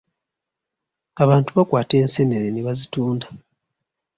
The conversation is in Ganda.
Abantu bakwata enseenene ne bazitunda.